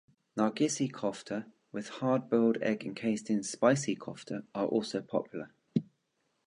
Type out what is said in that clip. Nargisi kofta with hard boiled egg encased in spicy kofta are also popular.